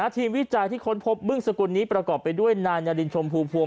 ทีมวิจารณ์ที่ค้นพบมึงสกุลนี้ประกอบไปด้วยนารินชมภูมิ